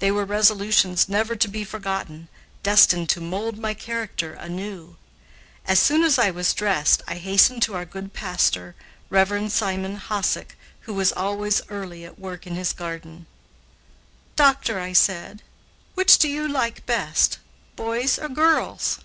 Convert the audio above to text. They were resolutions never to be forgotten destined to mold my character anew. As soon as I was dressed I hastened to our good pastor, Rev. Simon Hosack, who was always early at work in his garden. "Doctor," said I, "which do you like best, boys or girls?"